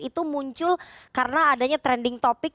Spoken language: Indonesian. itu muncul karena adanya trending topic